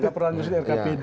nggak pernah ngurus rkpd